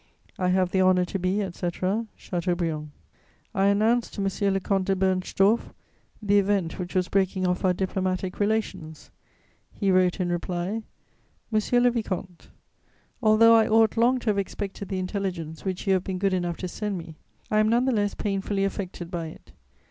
"I have the honour to be, etc., "CHATEAUBRIAND." I announced to M. le Comte de Bernstorff the event which was breaking off our diplomatic relations; he wrote in reply: "MONSIEUR LE VICOMTE, "Although I ought long to have expected the intelligence which you have been good enough to send me, I am none the less painfully affected by it.